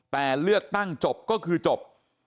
แต่เลือกตั้งจบก็คือจบ